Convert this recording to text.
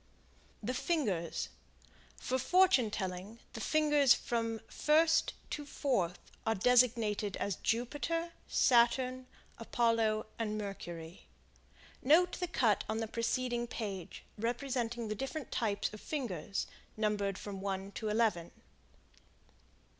The Fingers. For fortune telling the fingers from first to fourth are designated as Jupiter, Saturn, Apollo and Mercury. Note the cut on preceding page, representing the different types of fingers, numbered from one to eleven.